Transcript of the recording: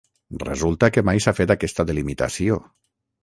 Resulta que mai s'ha fet aquesta delimitació.